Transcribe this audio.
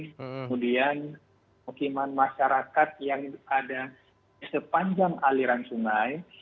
kemudian hukuman masyarakat yang ada sepanjang aliran sungai